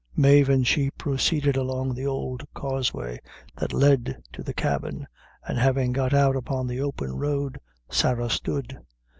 Mave and she proceeded along the old causeway that led to the cabin, and having got out upon the open road, Sarah stood.